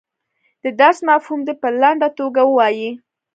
د درس مفهوم دې په لنډه توګه ووایي.